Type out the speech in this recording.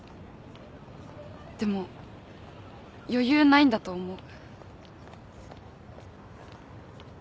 でも余裕ないんだと思う。